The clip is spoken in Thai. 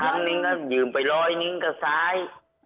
ครั้งหนึ่งเป็นรอยลึงไปทางสาย